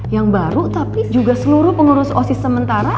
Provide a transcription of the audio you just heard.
yang baru tapi juga seluruh pengurus osis sementara